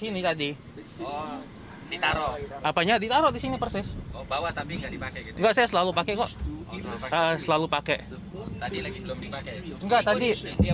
ini dipakai agak diturunin sedikit aja tadi